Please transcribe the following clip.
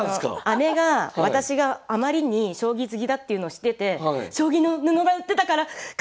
姉が私があまりに将棋好きだっていうのを知ってて「将棋の布が売ってたから買ってきたんだけど！」